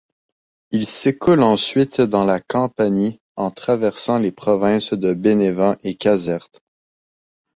Il s'écoule ensuite dans la Campanie, en traversant les provinces de Bénévent et Caserte.